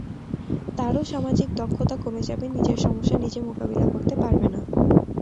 তারও সামাজিক দক্ষতা কমে যাবে, নিজের সমস্যা নিজে মোকাবিলা করতে পারবে না।